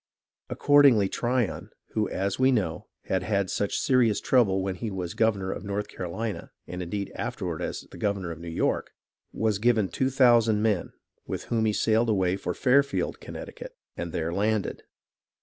Accordingly Tryon, who as we know had had such 166 BURGOYNE'S PLANS 1 67 serious trouble when he was governor of North Carolina and indeed afterward as the governor of New York, was given two thousand men with whom he sailed away for Fairfield, Connecticut, and there landed.